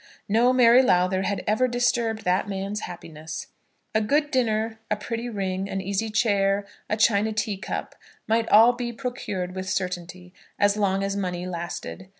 No Mary Lowther had ever disturbed that man's happiness. A good dinner, a pretty ring, an easy chair, a china tea cup, might all be procured with certainty, as long as money lasted.